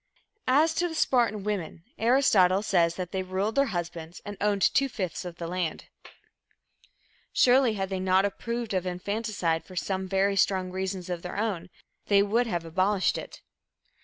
As to the Spartan women, Aristotle says that they ruled their husbands and owned two fifths of the land. Surely, had they not approved of infanticide for some very strong reasons of their own, they would have abolished it.